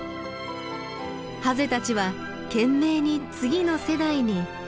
ハゼたちは懸命に次の世代に命をつなぎます。